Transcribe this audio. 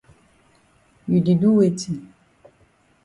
You di do weti?